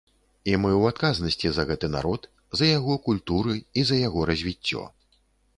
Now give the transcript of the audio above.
І мы ў адказнасці за гэты народ, за яго культуры і за яго развіццё.